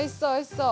そう。